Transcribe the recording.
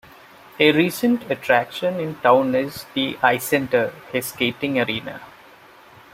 A recent attraction in town is the Icenter, a skating arena.